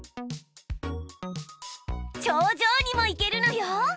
頂上にも行けるのよ！